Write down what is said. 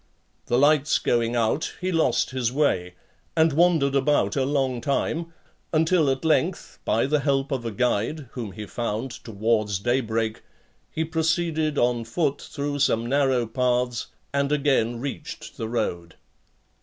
The lights going out, he lost his way, and (22) wandered about a long time, until at length, by the help of a guide, whom he found towards day break, he proceeded on foot through some narrow paths, and again reached the road.